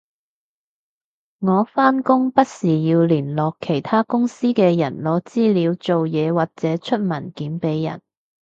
我返工不時要聯絡其他公司嘅人攞資料做嘢或者出文件畀人